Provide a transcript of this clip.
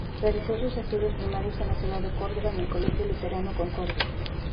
Realizó sus estudios primarios en la ciudad de Córdoba, en el Colegio Luterano Concordia.